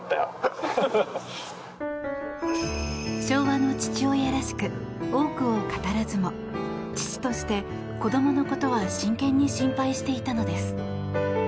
昭和の父親らしく多くを語らずも父として、子供のことは真剣に心配していたのです。